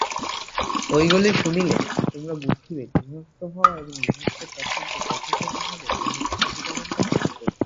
ঐগুলি শুনিলে তোমরা বুঝিবে গৃহস্থ হওয়া এবং গৃহস্থের কর্তব্য যথাযথভাবে প্রতিপালন করা অতি কঠিন।